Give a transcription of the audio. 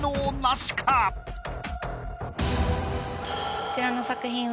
こちらの作品は。